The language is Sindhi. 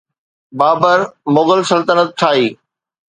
بابر مغل سلطنت ٺاهي.